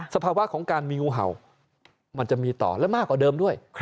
สภาวะของการมีงูเห่ามันจะมีต่อและมากกว่าเดิมด้วย